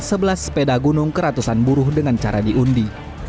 sebelah sepeda gunung ke ratusan buruh dengan cara diundi